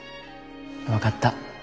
分かった。